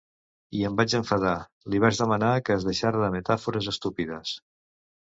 I em vaig enfadar, li vaig demanar que es deixara de metàfores estúpides.